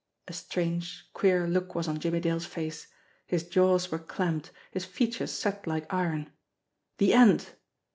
A strange, queer look was on Jimmie Dale's face. His jaws were clamped, his features set like iron. The end!